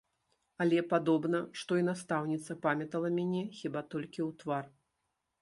Але, падобна, што і настаўніца памятала мяне хіба толькі ў твар.